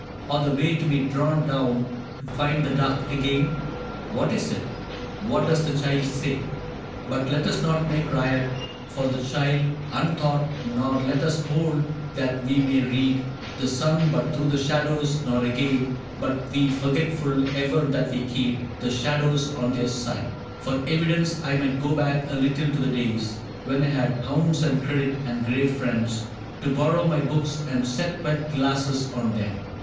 Or the way to be drawn down to find the dark Again ? What is it ? What does the child say ?^^ But let us not make riot for the child Untaught, nor let us hold that we may read The sun but through the shadows ; nor, again, Be we forgetful ever that we keep The shadows on their side. For evidence, I might go back a little to the days When I had hounds and credit, and grave friends To borrow my books and set wet glasses on them.